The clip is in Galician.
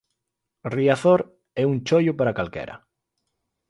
Riazor é un choio para calquera.